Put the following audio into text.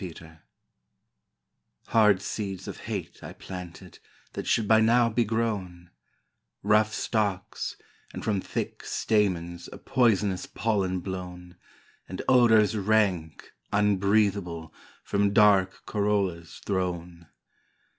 Blight Hard seeds of hate I planted That should by now be grown, Rough stalks, and from thick stamens A poisonous pollen blown, And odours rank, unbreathable, From dark corollas thrown!